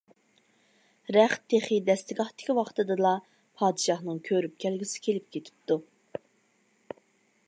رەخت تېخى دەستىگاھتىكى ۋاقتىدىلا، پادىشاھنىڭ كۆرۈپ كەلگۈسى كېلىپ كېتىپتۇ.